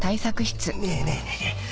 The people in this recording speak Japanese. ねえねえねえねえ。